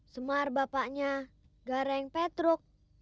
semar bapaknya gareng petruk